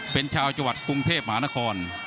เป็นชาวจัวรรดิ์กรุงเทพหานคร